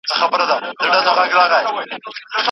کله کله یوازې د چا غلی پاتې کېدل بس وي.